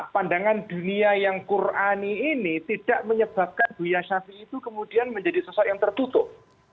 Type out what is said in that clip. pandangan dunia yang qurani ini tidak menyebabkan beliau syafi'i itu kemudian menjadi sosok yang tertutup